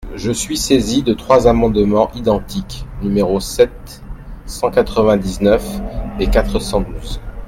Je suis saisi de trois amendements identiques, numéros sept, cent quatre-vingt-dix-neuf et quatre cent douze.